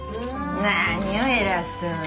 何を偉そうに。